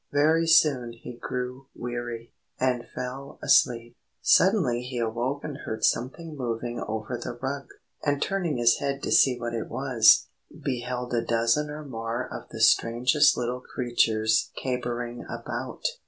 Very soon he grew weary, and fell asleep. Suddenly he awoke and heard something moving over the rug, and turning his head to see what it was, beheld a dozen or more of the strangest little creatures capering about.